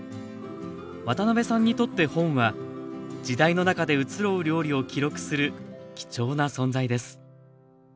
渡辺さんにとって本は時代の中でうつろう料理を記録する貴重な存在です